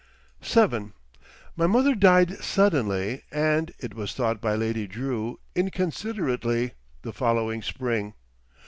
VII My mother died suddenly and, it was thought by Lady Drew, inconsiderately, the following spring.